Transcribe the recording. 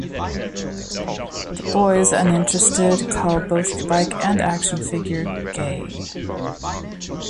The boys, uninterested, call both the bike and action figure "gay".